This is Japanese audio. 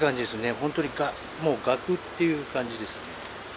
本当にもうガクッていう感じですね。